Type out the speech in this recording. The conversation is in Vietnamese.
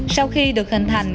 sau khi được hình thành